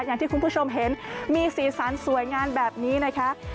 อย่างที่คุณผู้ชมเห็นมีสีสันสวยงามแบบนี้นะคะ